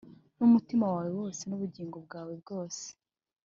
n umutima wawe wose n ubugingo bwawe bwose